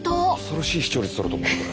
恐ろしい視聴率とると思う。